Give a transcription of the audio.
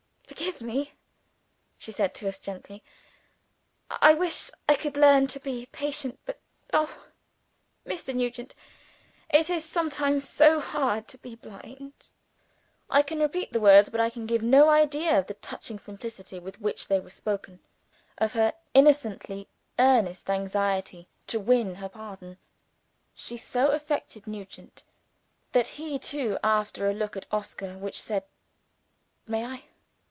"Forgive me," she said to us gently. "I wish I could learn to be patient. But, oh, Mr. Nugent, it is sometimes so hard to be blind!" I can repeat the words; but I can give no idea of the touching simplicity with which they were spoken of her innocently earnest anxiety to win her pardon. She so affected Nugent that he too after a look at Oscar which said, "May I?"